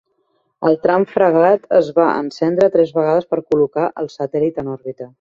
El tram Fregat es va encendre tres vegades per col·locar el satèl·lit en òrbita.